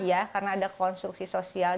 iya karena ada konstruksi sosial